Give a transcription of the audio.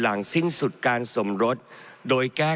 และมาตรา๑๓๐๐